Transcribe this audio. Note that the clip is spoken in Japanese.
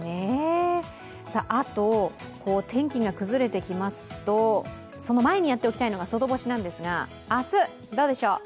あと、天気が崩れてきますとその前にやっておきたいのが外干しなんですが、明日どうでしょう？